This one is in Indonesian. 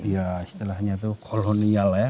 ya istilahnya itu kolonial ya